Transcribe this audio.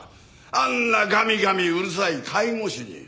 あんなガミガミうるさい介護士に。